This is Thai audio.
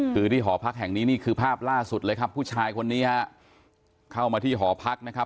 คือที่หอพักแห่งนี้นี่คือภาพล่าสุดเลยครับผู้ชายคนนี้ฮะเข้ามาที่หอพักนะครับ